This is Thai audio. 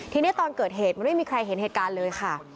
ทีนี้ตอนเกิดเหตุมันไม่มีใครเห็นเหตุการณ์เลยค่ะ